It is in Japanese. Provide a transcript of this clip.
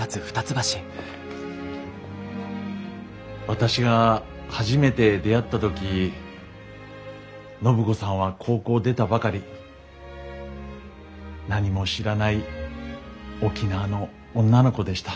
私が初めて出会った時暢子さんは高校を出たばかり何も知らない沖縄の女の子でした。